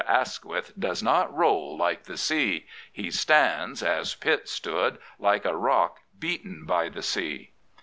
Asquith does not roll like the sea. He stands, as Pitt stood, like a rock beaten by the sea.